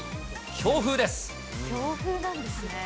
強風なんですね。